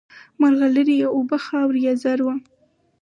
مرغلري یې اوبه خاوره یې زر وه